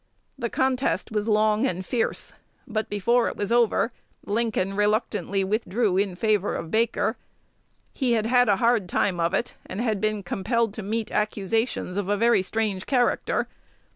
The contest was long and fierce; but, before it was over, Lincoln reluctantly withdrew in favor of Baker. He had had a hard time of it, and had been compelled to meet accusations of a very strange character.